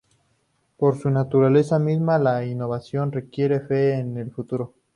Por su naturaleza misma, la innovación requiere fe en el futuro.